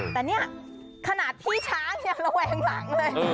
แต่นี่ขนาดพี่ช้างอย่างแล้วแหวงหลังเลย